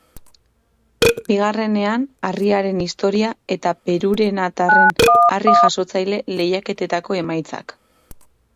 Bigarrenean, harriaren historia eta perurenatarren harri-jasotzaile lehiaketetako emaitzak.